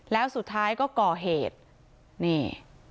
แล้วสุดท้ายก็ก่อเหตุนี่